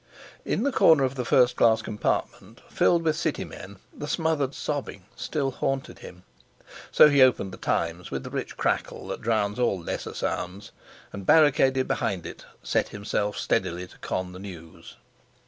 In his corner of the first class compartment filled with City men the smothered sobbing still haunted him, so he opened The Times with the rich crackle that drowns all lesser sounds, and, barricaded behind it, set himself steadily to con the news.